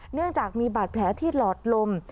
เนื่องจากมีบาดแผลที่หลอดลม